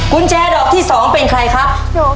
กุญแจดอกที่๒เป็นใครครับ